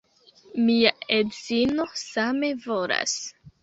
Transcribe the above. Mia edzino same volas.